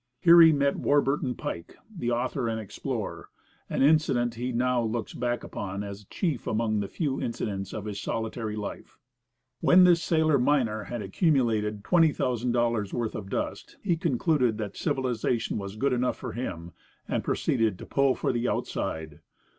Here he met Warburton Pike, the author and explorer an incident he now looks back upon as chief among the few incidents of his solitary life. When this sailor miner had accumulated $20,000 worth of dust he concluded that civilization was good enough for him, and proceeded "to pull for the outside."